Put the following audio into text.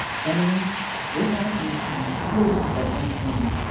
Emmeline, without answering, flew to her own room.